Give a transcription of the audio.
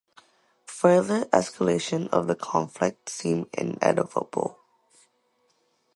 Further escalation of the conflict seemed inevitable.